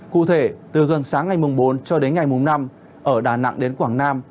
cụ thể từ gần sáng ngày mùng bốn cho đến ngày mùng năm ở đà nẵng đến quảng nam